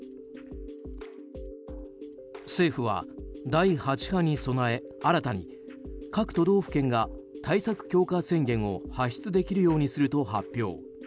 政府は第８波に備え新たに各都道府県が対策強化宣言を発出できるようにすると発表。